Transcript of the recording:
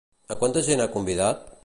A quanta gent ha convidat?